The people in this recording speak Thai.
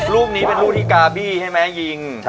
รูปนี้เป็นรูปที่กาบี้ใช่ไหมยิง